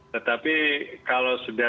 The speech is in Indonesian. tetapi kalau sudah